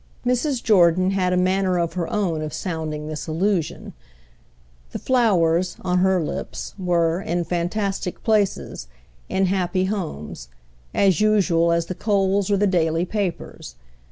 Mrs. Jordan had a manner of her own of sounding this allusion; "the flowers," on her lips, were, in fantastic places, in happy homes, as usual as the coals or the daily papers.